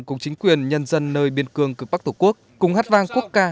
cùng chính quyền nhân dân nơi biên cương cực bắc tổ quốc cùng hát vang quốc ca